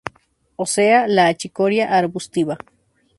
O sea, la 'achicoria arbustiva'.